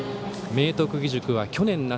明徳義塾は去年夏